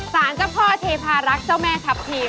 สารเจ้าพ่อเทพารักษ์เจ้าแม่ทัพทิม